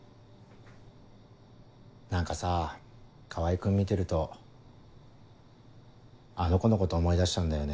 何かさ川合君見てるとあの子のこと思い出しちゃうんだよね。